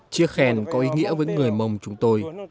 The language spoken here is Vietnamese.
chia khen có ý nghĩa với người mông chúng tôi